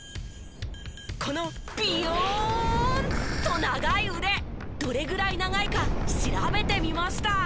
このびよんと長い腕どれぐらい長いか調べてみました。